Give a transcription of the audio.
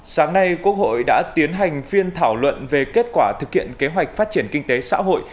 sáng nay quốc hội đã tiến hành phiên thảo luận về kết quả thực hiện kế hoạch phát triển kinh tế xã hội